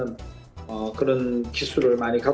untuk menangkan pertandingan